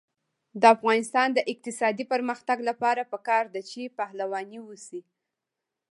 د افغانستان د اقتصادي پرمختګ لپاره پکار ده چې پهلواني وشي.